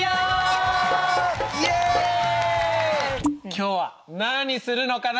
今日は何するのかな？